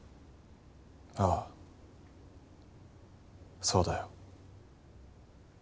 ああそうだよ。